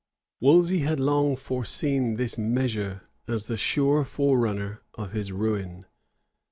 Wolsey had long foreseen this measure as the sure forerunner of his ruin.